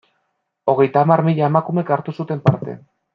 Hogeita hamar mila emakumek hartu zuten parte.